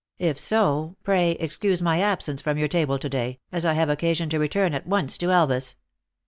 If so, pray excuse my absence from your table to day, as I have occasion to return at once to Elvas."